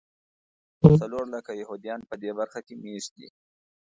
څلور لکه یهودیان په دې برخه کې مېشت دي.